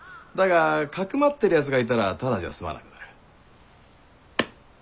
だがかくまってるやつがいたらただじゃ済まなくなる。